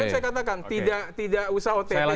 saya katakan tidak usah ott tapi penjebakan